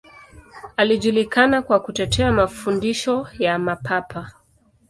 Alijulikana kwa kutetea mafundisho ya Mapapa.